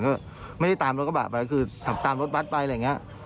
ก็ไม่ได้ตามรถกระบะไปคือขับตามรถบัตรไปอะไรอย่างนี้